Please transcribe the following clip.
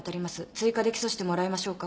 追加で起訴してもらいましょうか。